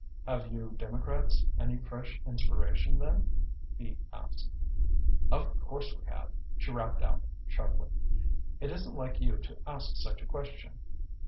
"Have you Democrats any fresh inspiration, then?" he asked. "Of course we have," she rapped out sharply. "It isn't like you to ask such a question.